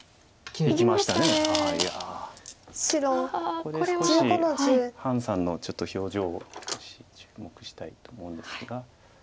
これ潘さんのちょっと表情を少し注目したいと思うんですが。